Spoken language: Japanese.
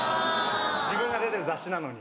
自分が出てる雑誌なのに。